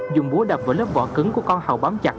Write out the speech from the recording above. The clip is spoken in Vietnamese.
dùng búa đập vào lớp vỏ cứng của con hầu bám chặt